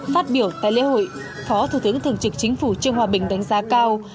phát biểu tại lễ hội phó thủ tướng thường trực chính phủ trương hòa bình đánh giá cao